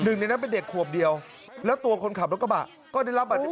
หนึ่งในนั้นเป็นเด็กขวบเดียวแล้วตัวคนขับรถกระบะก็ได้รับบาดเจ็บ